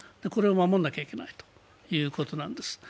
これを守らなきゃいけないということなんです。